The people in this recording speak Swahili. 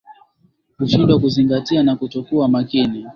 Kushindwa kuzingatia na kutokuwa makini